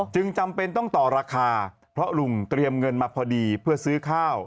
จำเป็นต้องต่อราคาเพราะลุงเตรียมเงินมาพอดีเพื่อซื้อข้าว